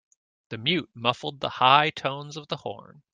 The mute muffled the high tones of the horn.